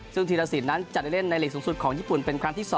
ซึ่งธีรสินนั้นจัดได้เล่นในหลีกสูงสุดของญี่ปุ่นเป็นครั้งที่๒